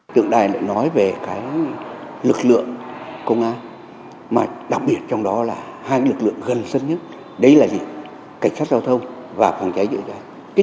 tượng đài nói về lực lượng công an đặc biệt trong đó là hai lực lượng gần sân nhất đây là gì cảnh sát giao thông và phòng trái dự trái